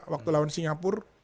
waktu lawan singapur